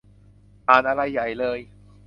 อ่านอะไรใหญ่เลย